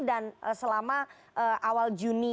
dan selama awal juni